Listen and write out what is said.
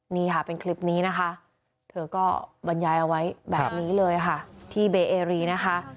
นี่ค่ะเป็นคลิปนี้นะคะเธอก็บรรยายเอาไว้แบบนี้เลยค่ะที่เบเอรีนะคะ